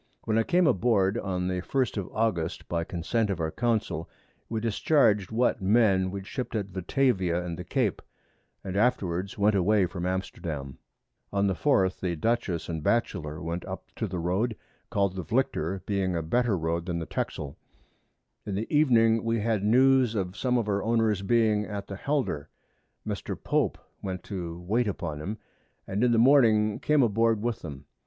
When I came aboard, on the 1st of August, by Consent of our Council, we discharg'd what Men we ship't at Batavia and the Cape, and afterwards went away from Amsterdam. On the 4th the Dutchess and Batchelor went up to the Road, call'd the Vlicter, being a better Road than the Texel. In the Evening we had News of some of our Owners being at the Helder: Mr. Pope went to wait upon 'em, and in the Morning came aboard with them.